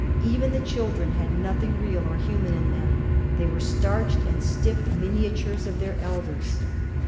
Even the children had nothing real or human in them. They were starched and stiff miniatures of their elders.